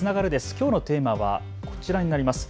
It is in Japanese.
きょうのテーマはこちらになります。